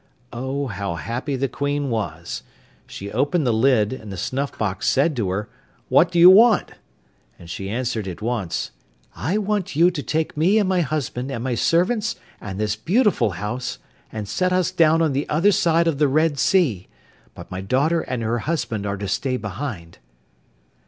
Oh how happy the Queen was! She opened the lid, and the snuff box said to her 'What do you want?' And she answered at once 'I want you to take me and my husband and my servants and this beautiful house and set us down on the other side of the Red Sea, but my daughter and her husband are to stay behind.